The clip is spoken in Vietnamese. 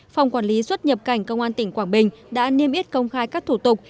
phòng quản lý xuất nhập cảnh công an tỉnh quảng bình đã niêm yết công khai các thủ tục